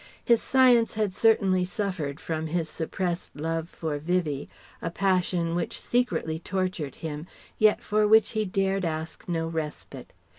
His Science had certainly suffered from his suppressed love for Vivie, a passion which secretly tortured him, yet for which he dared ask no respite.